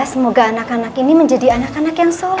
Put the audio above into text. semoga anak anak ini menjadi anak anak yang solid